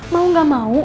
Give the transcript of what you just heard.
mau nggak mau